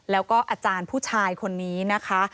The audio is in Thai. แล้วก็อาจารย์ผู้ชายคนนี้นะคะ